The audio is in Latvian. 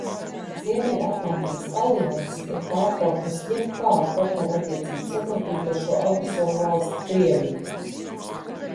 Ziemeļatlantijas alianse ir pārtraukusi jebkādu partnerattiecību sadarbību ar šo agresorvalsti Krieviju.